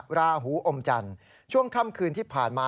ราหูอมจันทร์ช่วงค่ำคืนที่ผ่านมา